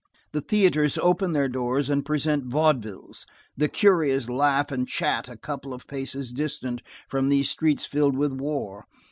The theatres open their doors and present vaudevilles; the curious laugh and chat a couple of paces distant from these streets filled with war.